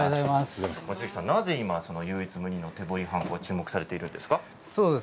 なぜ今、唯一無二の手彫りはんこが注目されているんですか？